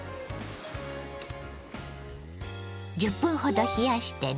１０分ほど冷やしてね。